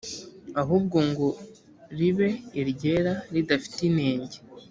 ahubwo ngo ribe iryera ridafite inenge